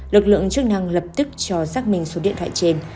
lực lượng chức năng lập tức cho xác minh số điện thoại trên